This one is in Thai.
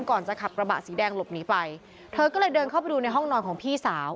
ก่อนจะขับกระบะสีแดงหลบหนีไปเธอก็เลยเดินเข้าไปดูในห้องนอนของพี่สาว